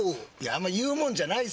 あんま言うもんじゃないっすよ